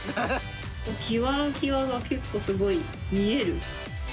際の際が結構すごい見える。